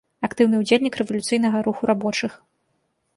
Актыўны ўдзельнік рэвалюцыйнага руху рабочых.